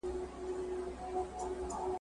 نه د بل په عقل پوهه کومکونو `